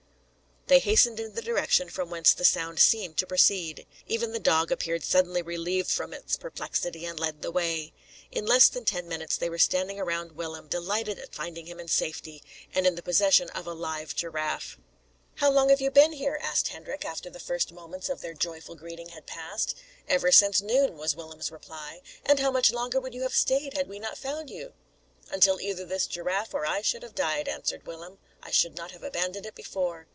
They hastened in the direction from whence the sound seemed to proceed. Even the dog appeared suddenly relieved from its perplexity, and led the way. In less than ten minutes they were standing around Willem, delighted at finding him in safety, and in the possession of a live giraffe. "How long have you been here?" asked Hendrik, after the first moments of their joyful greeting had passed. "Ever since noon," was Willem's reply. "And how much longer would you have stayed, had we not found you?" "Until either this giraffe or I should have died," answered Willem. "I should not have abandoned it before."